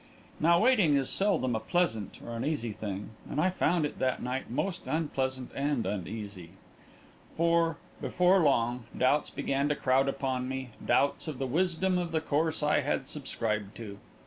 Now waiting is seldom a pleasant or an easy thing, and I found it that night most unpleasant and uneasy. For, before long, doubts began to crowd upon me doubts of the wisdom of the course I had subscribed to.